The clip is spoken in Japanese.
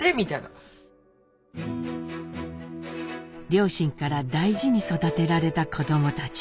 両親から大事に育てられた子どもたち。